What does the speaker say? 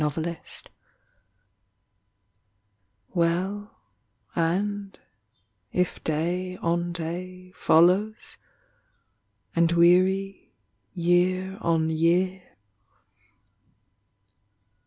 35 TRAPPED Well and If day on day Follows, and weary year On year